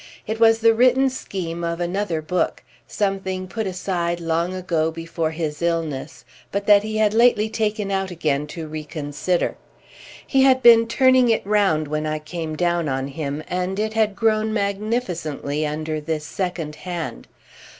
It was the written scheme of another book—something put aside long ago, before his illness, but that he had lately taken out again to reconsider. He had been turning it round when I came down on him, and it had grown magnificently under this second hand.